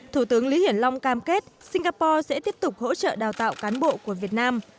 thủ tướng lý hiển long cam kết singapore sẽ tiếp tục hỗ trợ đào tạo cán bộ của việt nam